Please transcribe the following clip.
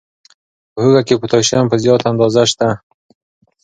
په هوږه کې پوتاشیم په زیاته اندازه شته.